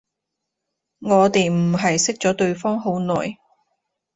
我哋唔係識咗對方好耐